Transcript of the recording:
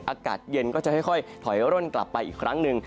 อากาศเย็นก็จะค่อยถอยร่นกลับไปอีกครั้งหนึ่ง